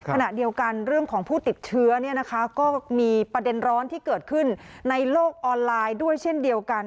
ขณะเดียวกันเรื่องของผู้ติดเชื้อก็มีประเด็นร้อนที่เกิดขึ้นในโลกออนไลน์ด้วยเช่นเดียวกัน